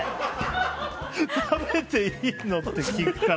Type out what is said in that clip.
食べていいの？って聞くから。